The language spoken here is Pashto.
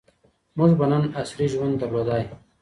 موږ به نن عصري ژوند درلودای.